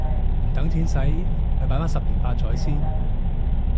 唔等錢洗咪擺返十年八載先